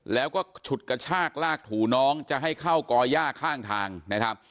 แล้วก็ฉุดกระชากลากถูน้องจะให้เข้าก่อย่าข้างทางนะครับ